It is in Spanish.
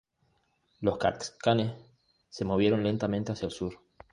Los caxcanes se movieron lentamente hacia el sur.